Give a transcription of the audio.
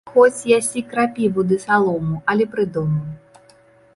Хоць ясі крапіву ды салому, але пры дому